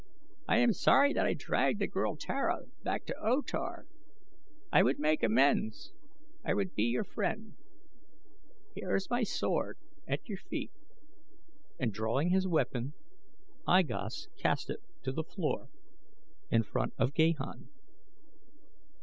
I am sorry that I dragged the girl Tara back to O Tar. I would make amends. I would be your friend. Here is my sword at your feet," and drawing his weapon I Gos cast it to the floor in front of Gahan.